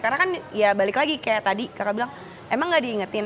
karena kan ya balik lagi kayak tadi kakak bilang emang tidak diingetin